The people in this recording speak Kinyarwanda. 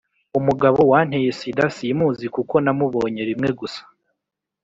Umugabo wanteye inda simuzi kuko namubonye rimwe gusa